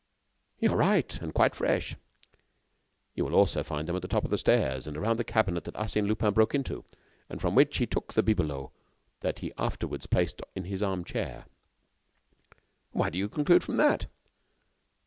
"You are right and quite fresh." "And you will also find them at the top of the stairs, and around the cabinet that Arsène Lupin broke into, and from which he took the bibelots that he afterward placed in this armchair." "What do you conclude from that?"